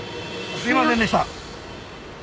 すみませんでした！